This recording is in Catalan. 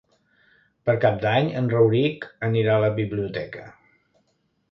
Per Cap d'Any en Rauric anirà a la biblioteca.